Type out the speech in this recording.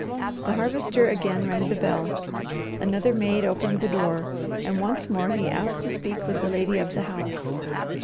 The Harvester again rang the bell. Another maid opened the door, and once more he asked to speak with the lady of the house.